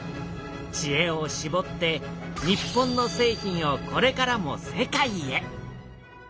ちえをしぼって日本の製品をこれからも世界へ！